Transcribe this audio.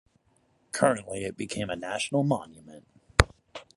Currently it became a national monument.